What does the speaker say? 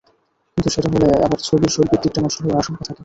কিন্তু সেটা হলে আবার ছবির শৈল্পিক দিকটা নষ্ট হওয়ার আশঙ্কা থাকে।